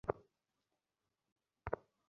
সেও তাদের চিনল।